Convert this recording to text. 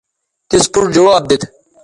تس پوڇ جواب دیت